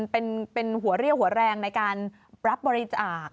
เป็นหัวเรี่ยวหัวแรงในการรับบริจาค